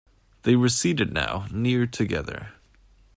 They were seated now, near together.